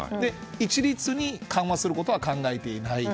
一律に緩和することは考えていない。